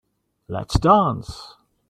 Let's dance.